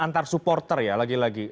antar supporter ya lagi lagi